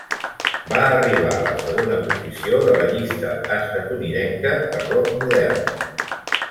Va arribar a la segona posició de la llista estatunidenca de rock modern.